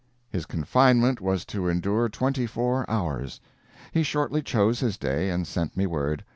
His confinement was to endure twenty four hours. He shortly chose his day, and sent me word.